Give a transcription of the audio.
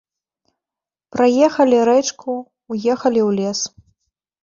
Праехалі рэчку, уехалі ў лес.